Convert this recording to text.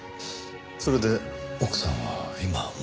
それで奥さんは今はもう？